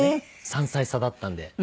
３歳差だったので。